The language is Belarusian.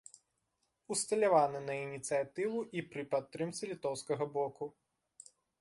Усталяваны на ініцыятыву і пры падтрымцы літоўскага боку.